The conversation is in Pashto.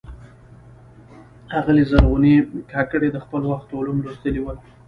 آغلي زرغونې کاکړي د خپل وخت علوم لوستلي ول.